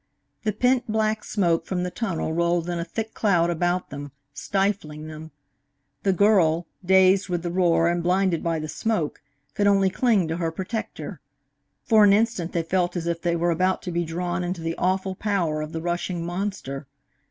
The pent black smoke from the tunnel rolled in a thick cloud about them, stifling them. The girl, dazed with the roar and blinded by the smoke, could only cling to her protector. For an instant they felt as if they were about to be drawn into the awful power of the rushing monster.